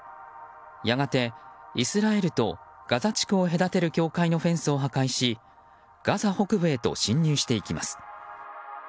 やがて、イスラエルとガザ地区を隔てる境界のフェンスを破壊しガザ北部へと侵入していきます。